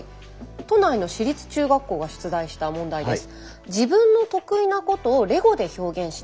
都内の私立中学校が出題した問題です。